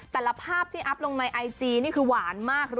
แต่ละภาพที่อัพลงในไอจีนี่คือหวานมากเลย